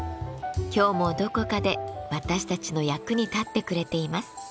今日もどこかで私たちの役に立ってくれています。